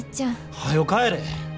はよ帰れ！